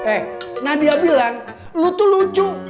eh nadia bilang lo tuh lucu